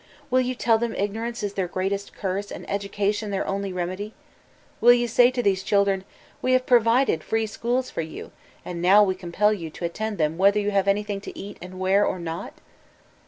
Will you tell them ignorance is their greatest curse and education their only remedy? Will you say to these children, "We have pro vided free schools for you, and now we compd yon to attend them whether you have anything to eat and wear or not"?